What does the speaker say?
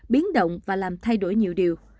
biến động và làm thay đổi nhiều điều